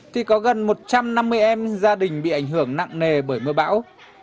thì có gần một trăm năm mươi em gia đình bị ảnh hưởng nặng nề bởi mưa bão